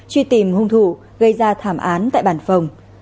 truy tìm hung thủ gây ra thảm án tại bàn phòng